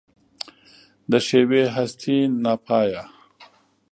د ښېوې هستي ناپایه